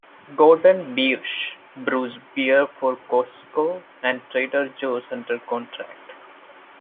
Gordon Biersch brews beer for Costco and Trader Joe's under contract.